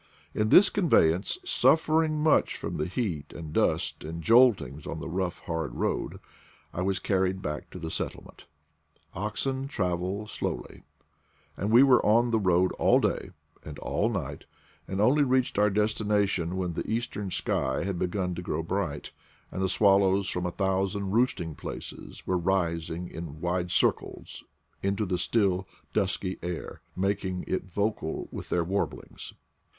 In this conveyance, suffering much from the heat and dust and joltings on the rough hard road, I was carried back to the settlement. Oxen travel slowly, and we were on the road all day and all night, and only reached our destination when the eastern sky had begun to grow bright, and the swallows from a thousand roosting places were rising in 1 wide circles into the still, dusky air, making it vocal with their warblings.